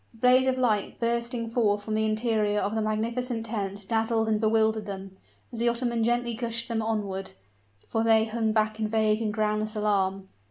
A blaze of light bursting forth from the interior of the magnificent tent dazzled and bewildered them, as the Ottoman gently gushed them onward for they hung back in vague and groundless alarm.